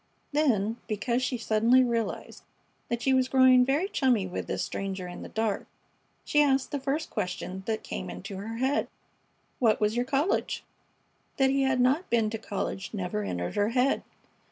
Then, because she suddenly realized that she was growing very chummy with this stranger in the dark, she asked the first question that came into her head. "What was your college?" That he had not been to college never entered her head.